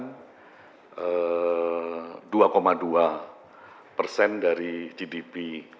jadi ini kita perkirakan ada sama di kisaran dua tiga dari gdp